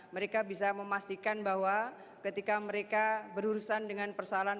mereka bisa memastikan bahwa ketika mereka berurusan dengan persoalan